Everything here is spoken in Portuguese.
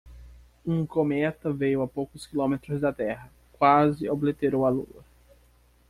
Um cometa veio a poucos quilômetros da Terra, quase obliterou a lua.